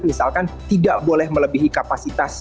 misalkan tidak boleh melebihi kapasitas